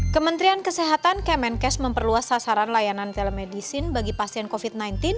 kementerian kesehatan kemenkes memperluas sasaran layanan telemedicine bagi pasien covid sembilan belas